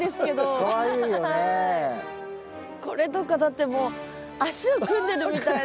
これとかだってもう足を組んでるみたいな。